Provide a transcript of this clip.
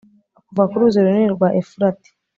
kuva ku ruzi runini rwa efurati